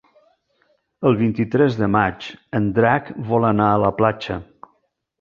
El vint-i-tres de maig en Drac vol anar a la platja.